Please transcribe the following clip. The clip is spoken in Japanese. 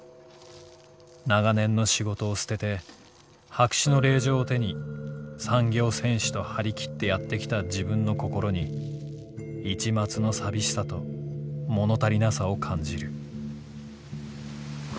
永年の仕事をすてて白紙の令状を手に産業戦士と張切ってやって来た自分の心に一抹のさびしさと物足りなさを感じる」。